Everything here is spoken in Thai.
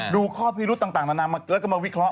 ดูข้อพิรุดต่างนั้นมาเกิดกันมาวิเคราะห์